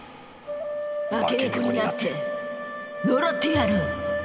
化け猫になって呪ってやる！